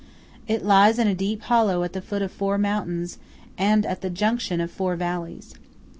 It lies in a deep hollow at the foot of four mountains and at the junction of four valleys.